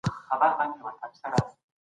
دا کم دي.